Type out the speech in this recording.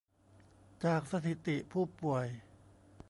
จากสถิติผู้ป่วย